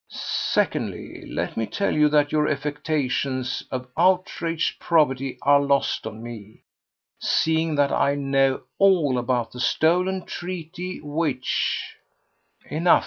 Secondly, let me tell you that your affectations of outraged probity are lost on me, seeing that I know all about the stolen treaty which—" "Enough, M.